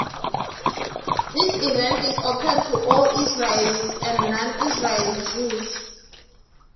This event is open to all Israelis and to non-Israeli Jews.